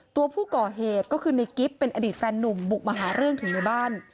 ตัวผู้ก่อเหตุก็คือในกิฟต์เป็นอดีตแฟนนุ่มบุกมาหาเรื่องถึงในบ้าน